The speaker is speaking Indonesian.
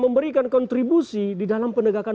memberikan kontribusi di dalam penegakan